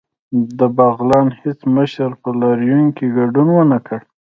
د بغلان هیڅ مشر په لاریون کې ګډون ونکړ